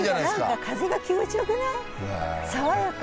何か風が気持ちよくない？爽やか。